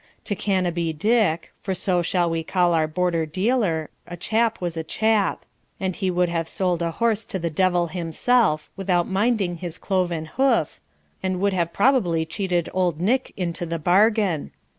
To Canobie Dick, for so shall we call our Border dealer, a chap was a chap, and he would have sold a horse to the devil himself, without minding his cloven hoof, and would have probably cheated Old Nick into the bargain.